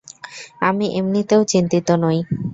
আমি এমনিতেও চিন্তিত নই।